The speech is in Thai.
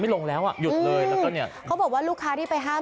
แล้วก็บอกว่าลูกค้าที่ไปห้าม